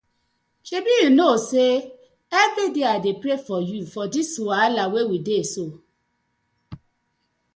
Shebi yu kno say everyday I dey pray for yu for this wahala wey we dey so.